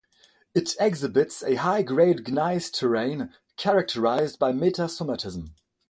It exhibits a high grade gneiss terrane characterized by metasomatism.